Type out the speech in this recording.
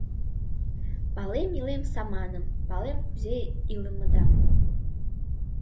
Палем илем саманым, палем кузе илымыдам.